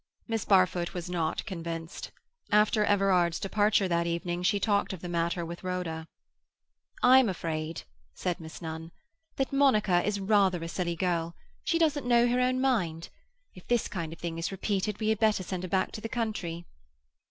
Miss Barfoot was not convinced. After Everard's departure that evening she talked of the matter with Rhoda. "I'm afraid," said Miss Nunn, "that Monica is rather a silly girl. She doesn't know her own mind. If this kind of thing is repeated, we had better send her back to the country."